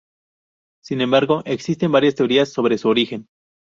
Sin embargo, existen varias teorías sobre su origen.